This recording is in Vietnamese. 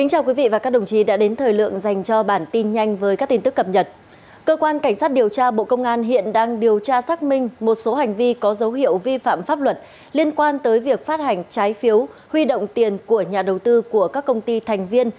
hãy đăng ký kênh để ủng hộ kênh của chúng mình nhé